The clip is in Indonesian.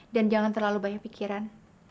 jangan terlalu banyak pikiran